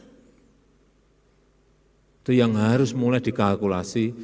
itu yang harus mulai dikalkulasi